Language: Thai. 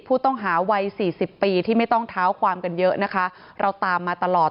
ผู้ต้องหาวัยสี่สิบปีที่ไม่ต้องเท้าความกันเยอะนะคะเราตามมาตลอด